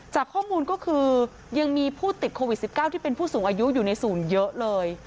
จากข้อมูลก็คือยังมีผู้ติดโควิด๑๙ที่เป็นผู้สูงอายุอยู่ในศูนย์เยอะเลย